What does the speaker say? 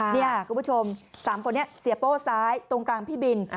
นี่ค่ะคุณผู้ชม๓คนนี้เสียโป้ซ้ายตรงกลางพี่บิน